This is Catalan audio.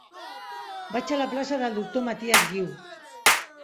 Vaig a la plaça del Doctor Matias Guiu.